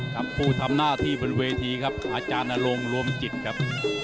ผู้ทำหน้าที่บนเวทีครับอาจารย์นรงค์รวมจิตครับ